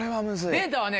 データはね